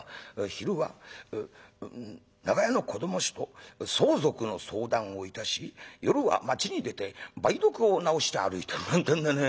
『昼は長屋の子ども衆と相続の相談をいたし夜は町に出て梅毒を治して歩いてる』なんてんでね。